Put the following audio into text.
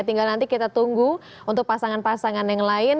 tinggal nanti kita tunggu untuk pasangan pasangan yang lain